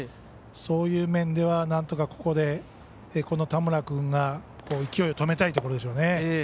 そういう面ではなんとかここでこの田村君が勢いを止めたいところでしょうね。